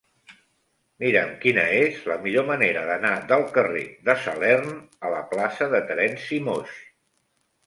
Mira'm quina és la millor manera d'anar del carrer de Salern a la plaça de Terenci Moix.